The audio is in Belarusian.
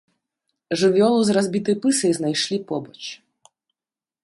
Жывёлу з разбітай пысай знайшлі побач.